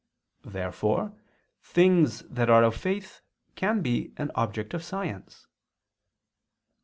Therefore things that are of faith can be an object of science.